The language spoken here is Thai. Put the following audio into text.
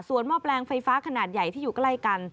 ส่วนหม้อแปลงไฟฟ้าขนาดใหญ่ที่อยู่ใกล้กัน